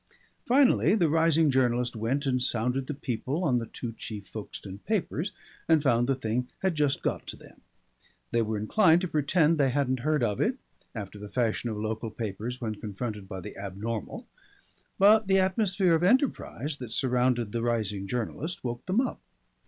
Finally the rising journalist went and sounded the people on the two chief Folkestone papers and found the thing had just got to them. They were inclined to pretend they hadn't heard of it, after the fashion of local papers when confronted by the abnormal, but the atmosphere of enterprise that surrounded the rising journalist woke them up.